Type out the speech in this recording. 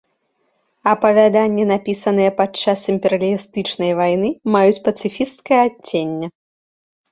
Апавяданні, напісаныя падчас імперыялістычнай вайны, маюць пацыфісцкае адценне.